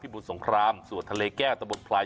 ที่บนสงครามสวนทะเลแก้ตะบนพลาย